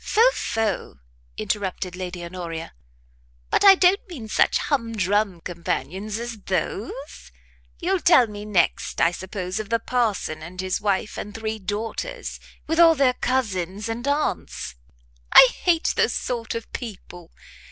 "Pho, pho," interrupted Lady Honoria, "but I don't mean such hum drum companions as those; you'll tell me next, I suppose, of the parson and his wife and three daughters, with all their cousins and aunts; I hate those sort of people.